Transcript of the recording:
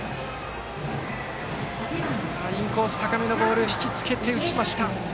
インコース、高めのボール引きつけて打ちました。